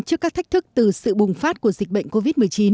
trước các thách thức từ sự bùng phát của dịch bệnh covid một mươi chín